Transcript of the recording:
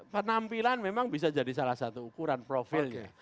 penampilan memang bisa jadi salah satu ukuran profilnya